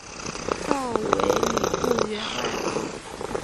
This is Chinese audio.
召为礼部员外郎。